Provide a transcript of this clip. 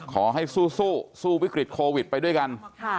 ขอให้สู้สู้วิกฤตโควิดไปด้วยกัน